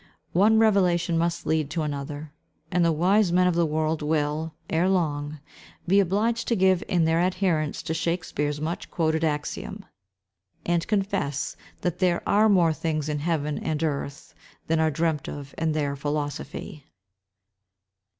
One revelation must lead to another; and the wise men of the world will, ere long, be obliged to give in their adherence to Shakspere's much quoted axiom, and confess that "there are more things in heaven and earth than are dreamt of in their philosophy."